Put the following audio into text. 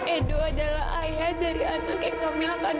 edo adalah ayah dari anak yang kamila kandung